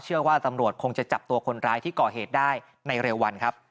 เชื่อว่าตำรวจคงจะจับตัวคนร้ายที่ก่อเหตุได้ในเร็ววันครับ